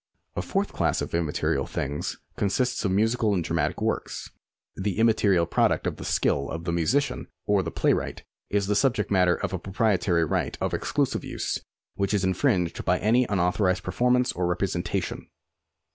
A fourth class of immaterial tilings consists of musical and di amatic works. The immaterial |)roduct of the skill of the musician or the playwright is the subject matter of a proprietary right of exclusive use wiiich is infringed by any unauthorised per formance or representation.